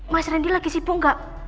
mas randy lagi sibuk gak